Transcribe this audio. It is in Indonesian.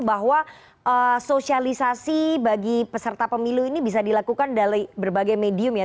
bahwa sosialisasi bagi peserta pemilu ini bisa dilakukan dari berbagai medium ya